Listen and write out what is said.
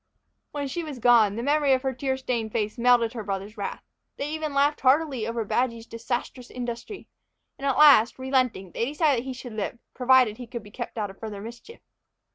When she was gone, the memory of her tear stained face melted her brothers' wrath. They even laughed heartily over Badgy's disastrous industry; and at last, relenting, they decided that he should live, provided he could be kept out of further mischief.